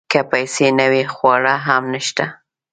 که پیسې نه وي خواړه هم نشته .